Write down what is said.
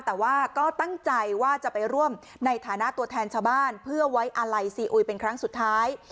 แต่ว่าก็ตั้งใจว่าจะไปร่วมในฐานะตัวแทนชาวบ้านเพื่อไว้อาลัยซีอุยเป็นครั้งสุดท้าย